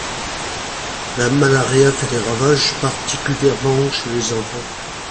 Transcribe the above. La malaria fait des ravages particulièrement chez les enfants.